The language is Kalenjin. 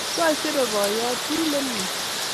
Saisere boinyot. Wiy nemyee